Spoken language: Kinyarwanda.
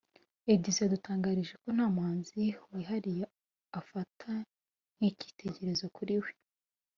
Edyzzon yadutangarijeko nta muhanzi wihariye afata nk’icyitegererezo kuri we